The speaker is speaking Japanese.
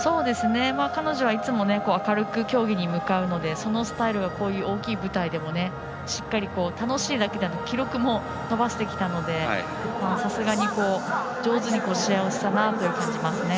彼女はいつも明るく競技に向かうので、そのスタイルはこういう大きい舞台でもしっかりと楽しいだけでなく記録も伸ばしてきたのでさすがに上手に試合をしたなと感じますね。